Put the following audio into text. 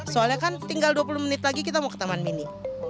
soalnya kan tinggal dua puluh menit lagi kita mau ke taman mini